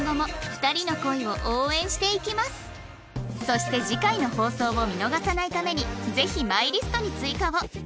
そして次回の放送を見逃さないためにぜひマイリストに追加を